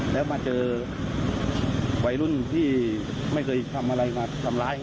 แล้วมาเจอวัยรุ่นที่ไม่เคยทำอะไรมาทำร้าย